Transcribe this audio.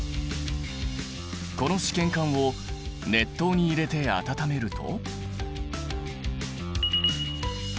この試験管を熱湯に入れて温めると。